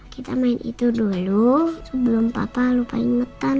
kita main itu dulu sebelum papa lupa ingatan